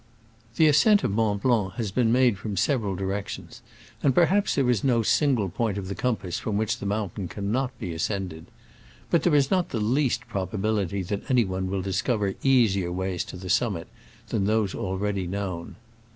7 The ascent of Mont Blanc has been made from several directions, and per haps there is no single point of the com pass from which the mountain cannot be ascended. But there is not the least probability that any one will discover easier ways to the summit than those already known.